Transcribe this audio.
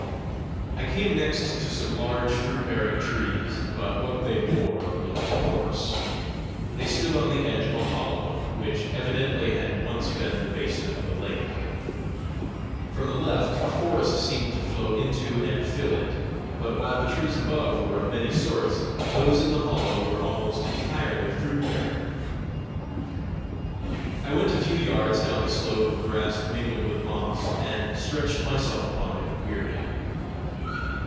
I came next to some large fruit bearing trees, but what they bore looked coarse. They stood on the edge of a hollow, which evidently had once been the basin of a lake. From the left a forest seemed to flow into and fill it; but while the trees above were of many sorts, those in the hollow were almost entirely fruit bearing. I went a few yards down the slope of grass mingled with moss, and stretched myself upon it weary.